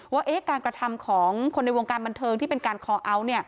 ว่าการกระทำของคนในวงการบันเทิงที่เป็นการคอเอาท์